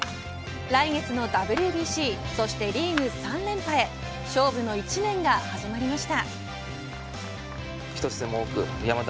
来月のＷＢＣそしてリーグ３連覇へ勝負の１年が始まりました。